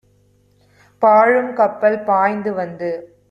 பாழும் கப்பல் பாய்ந்து வந்து